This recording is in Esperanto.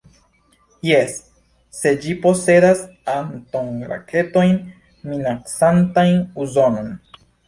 Jes, se ĝi posedas atomraketojn minacantajn Usonon.